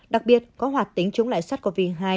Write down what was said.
đặc biệt có hoạt tính chống lại sars cov hai